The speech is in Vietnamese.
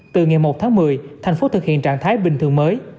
từ ngày một tháng một mươi thành phố thực hiện trạng thái bình thường mới